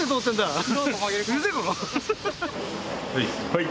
はい。